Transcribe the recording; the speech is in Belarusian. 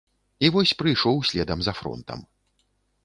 І вось прыйшоў следам за фронтам.